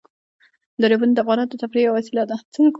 دریابونه د افغانانو د تفریح یوه وسیله ده.